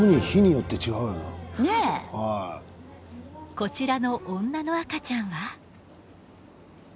こちらの女の赤ちゃんは。